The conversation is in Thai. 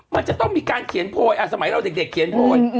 มันจะต้องมีการเขียนโพยสมัยเราเด็กเขียนโพย